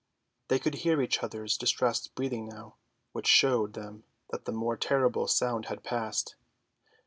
They could hear each other's distressed breathing now, which showed them that the more terrible sound had passed.